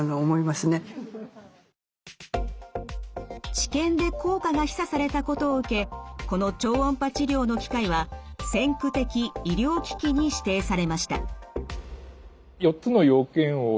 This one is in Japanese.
治験で効果が示唆されたことを受けこの超音波治療の機械は先駆的医療機器に指定されました。